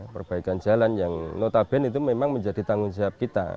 perbaikan jalan yang notabene itu memang menjadi tanggung jawab kita